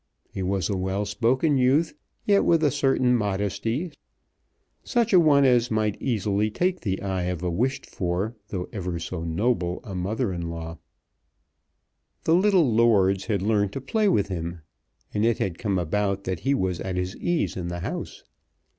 He was a well spoken youth, yet with a certain modesty, such a one as might easily take the eye of a wished for though ever so noble a mother in law. The little lords had learned to play with him, and it had come about that he was at his ease in the house.